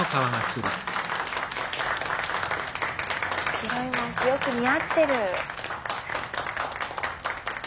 白いまわしよく似合ってる。